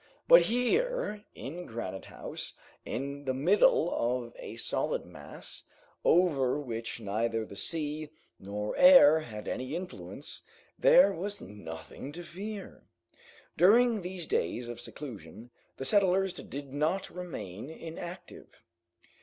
But here, in Granite House, in the middle of a solid mass, over which neither the sea nor air had any influence, there was nothing to fear. During these days of seclusion the settlers did not remain inactive.